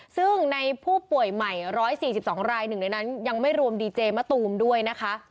ซึ่งในผู้ป่วยใหม่๑๔๒รายหนึ่งในนั้นยังไม่รวมดีเจมะตูมด้วยนะคะ